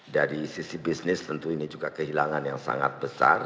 dari sisi bisnis tentu ini juga kehilangan yang sangat besar